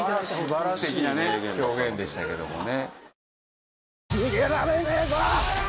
素敵なね表現でしたけどもね。